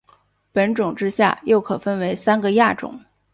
本种之下又可分为三个亚种。